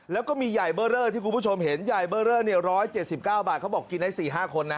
แล้วก็มีใหญ่เบอร์เลอร์ที่คุณผู้ชมเห็นใหญ่เบอร์เลอร์๑๗๙บาทเขาบอกกินได้๔๕คนนะ